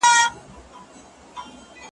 او څه کم دوه زره کورونه پکښی تباه سول .